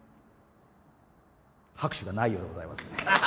拍手がないようでございますね